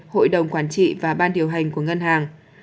hội đồng quản trị và ban điều hành của ngân hàng